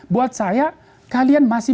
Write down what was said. buat saya kalian masih